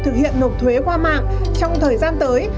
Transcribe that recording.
thực hiện nộp thuế qua mạng trong thời gian tới